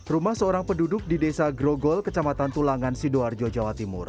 rumah seorang penduduk di desa grogol kecamatan tulangan sidoarjo jawa timur